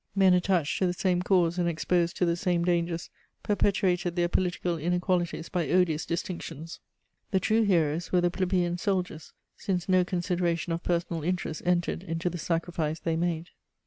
Men attached to the same cause and exposed to the same dangers perpetuated their political inequalities by odious distinctions: the true heroes were the plebeian soldiers, since no consideration of personal interest entered into the sacrifice they made.